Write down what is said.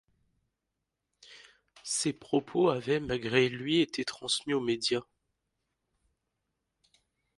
Ses propos avaient, malgré lui été transmis aux médias.